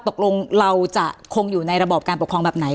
ตกลงเราจะคงอยู่ในระบอบการปกครองแบบไหน